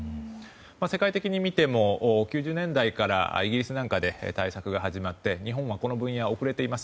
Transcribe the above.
世界的に見ても９０年代からイギリスなんかで対策が始まって、日本はこの分野遅れています。